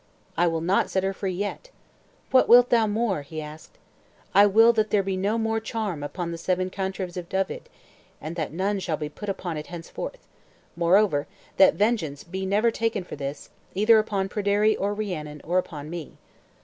"I will not set her free yet." "What wilt thou more?" he asked. "I will that there be no more charm upon the seven cantrevs of Dyved, and that none shall be put upon it henceforth; moreover, that vengeance be never taken for this, either upon Pryderi or Rhiannon, or upon me."